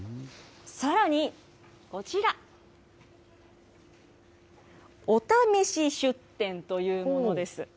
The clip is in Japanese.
さらにこちら、お試し出店というものです。